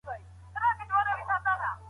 د خالق نوم د برکت سرچینه ده.